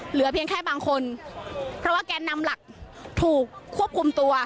เหลือเพียงแค่บางคนเพราะว่าแกนนำหลักถูกควบคุมตัว